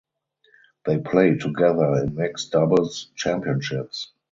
They played together in mixed doubles championships.